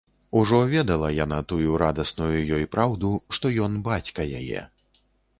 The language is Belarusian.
Ужо ведала яна тую радасную ёй праўду, што ён бацька яе.